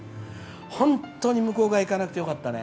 本当に向こう側へ行かなくてよかったね。